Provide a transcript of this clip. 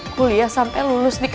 kuliah sampai lulus di kelas